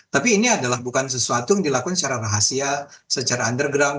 tapi ini adalah bukan sesuatu yang dilakukan secara rahasia secara underground